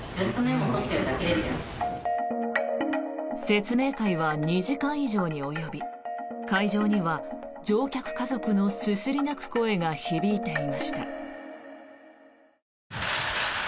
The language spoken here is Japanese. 説明会は２時間以上に及び会場には乗客家族のすすり泣く声が響いていました。